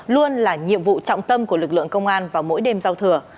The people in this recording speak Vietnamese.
luôn là nhiệm vụ trọng tâm của lực lượng công an vào mỗi đêm giao thừa